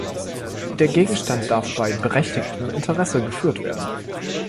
Der Gegenstand darf bei „berechtigtem Interesse“ geführt werden.